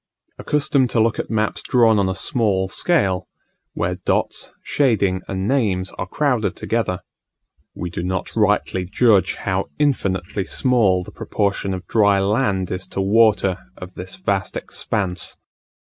Accustomed to look at maps drawn on a small scale, where dots, shading, and names are crowded together, we do not rightly judge how infinitely small the proportion of dry land is to water of this vast expanse.